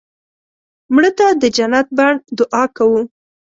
مړه ته د جنت بڼ دعا کوو